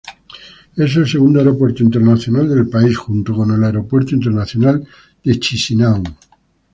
Es el segundo aeropuerto internacional del país, junto con el Aeropuerto Internacional de Chisinau.